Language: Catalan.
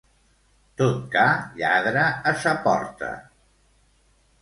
Tot ca lladra a sa porta.